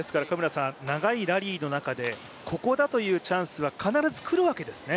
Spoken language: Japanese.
長いラリーの中で、ここだというチャンスは必ず来るわけですね。